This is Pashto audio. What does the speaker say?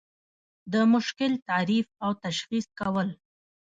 د مشکل تعریف او تشخیص کول.